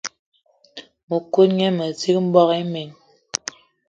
Mëkudgë mezig, mboigi imen